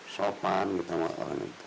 sopan gitu orangnya